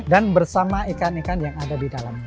dan bersama ikan ikan yang ada di dalam